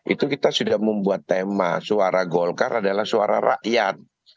itu kita sudah membuat tema suara golkar adalah suara rakyat